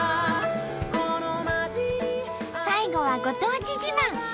最後はご当地自慢。